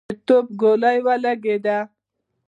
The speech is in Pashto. د توپ ګولۍ ولګېده.